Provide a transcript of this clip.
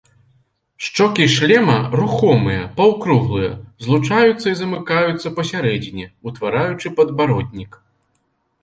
Шчокі шлема рухомыя, паўкруглыя, злучаюцца і замыкаюцца пасярэдзіне, утвараючы падбароднік.